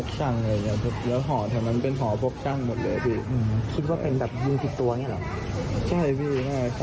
ใช่ครับพี่ไม่รู้แน่